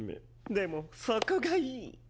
でもそこがいい！